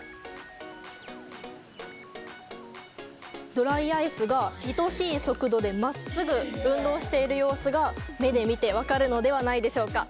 ドライアイスが等しい速度でまっすぐ運動している様子が目で見て分かるのではないでしょうか。